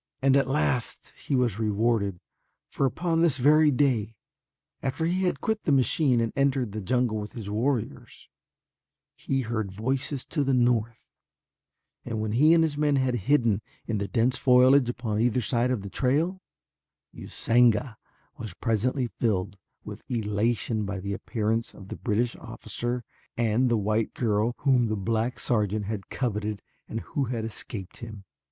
And at last he was rewarded, for upon this very day after he had quit the machine and entered the jungle with his warriors, he heard voices to the north and when he and his men had hidden in the dense foliage upon either side of the trail, Usanga was presently filled with elation by the appearance of the British officer and the white girl whom the black sergeant had coveted and who had escaped him.